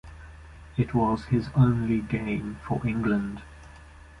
It was his only game for England.